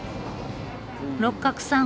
六角さん